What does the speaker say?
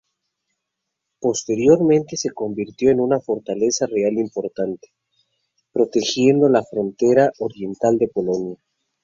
Posteriormente se convirtió en una fortaleza real importante, protegiendo la frontera oriental de Polonia.